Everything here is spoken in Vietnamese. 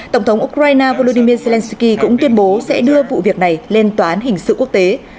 tổng thống ukraine volodymyr zelenskyy cũng tuyên bố sẽ đưa vụ việc này lên toán hình sự quốc tế